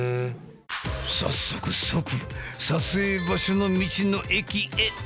早速即撮影場所の道の駅へ。